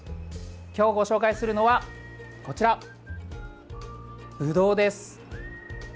今日ご紹介するのはこちらブドウです。